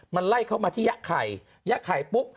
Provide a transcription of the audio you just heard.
มันไล่เข้ามาที่ยะไข่ยะไข่ปุ๊บ